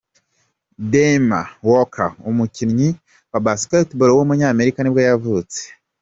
DeMya Walker, umukinnyi wa basketball w’umunyamerika nibwo yavutse.